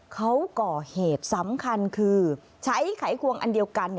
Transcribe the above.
เขาก่อเหตุสำคัญคือใช้ไขควงอันเดียวกัน